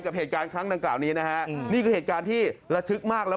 กับเหตุการณ์ครั้งดังกล่าวนี้นะฮะนี่คือเหตุการณ์ที่ระทึกมากแล้ว